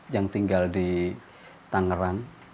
yang tinggal di tangerang